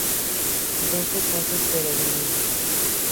Doce cuentos peregrinos.